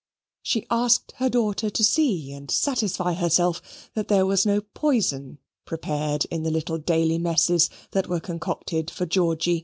She asked her daughter to see and satisfy herself that there was no poison prepared in the little daily messes that were concocted for Georgy.